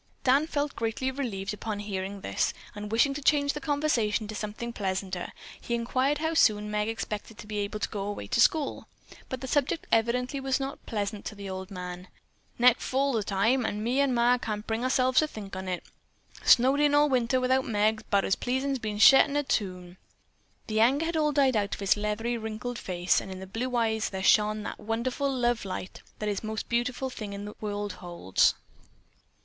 Dan felt greatly relieved upon hearing this, and wishing to change the conversation to something pleasanter, he inquired how soon Meg expected to be able to go away to school. But the subject evidently was not pleasant to the old man. "Next fall's the time, an' me and ma can't bring ourselves to think on it. Snowed in all winter without Meg's 'bout as pleasin' as bein' shet in a tomb." The anger had all died out of the leathery, wrinkled face and in the blue eyes there shone that wonderful love light that is the most beautiful thing the world holds.